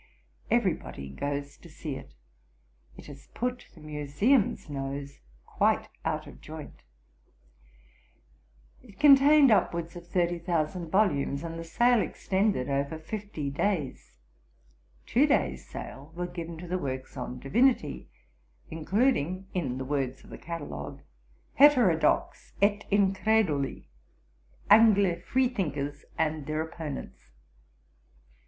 Everybody goes to see it; it has put the Museum's nose quite out of joint.' Walpole's Letters, vii. 273. It contained upwards of 30,000 volumes, and the sale extended over fifty days. Two days' sale were given to the works on divinity, including, in the words of the catalogue, 'Heterodox! et Increduli. Angl. Freethinkers and their opponents.'